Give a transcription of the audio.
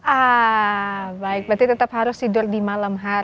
ah baik berarti tetap harus tidur di malam hari